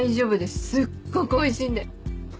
すっごくおいしいんで！